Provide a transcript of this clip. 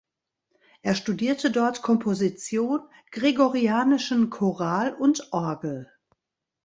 Er studierte dort Komposition, Gregorianischen Choral und Orgel.